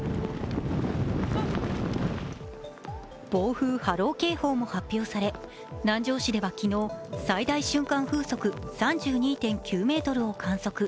暴風・波浪警報も発表され、南城市では昨日、最大瞬間風速３２．９メートルを観測。